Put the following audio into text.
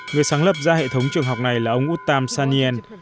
người sáng lập ra hệ thống trường học này là ông uttam sanyen